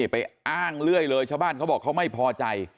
ไปอ้างเรื่อยเลยชาวบ้านเขาบอกเขาไม่พอใจ